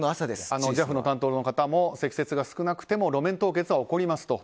ＪＡＦの担当の方も積雪が少なくても路面凍結は起こります。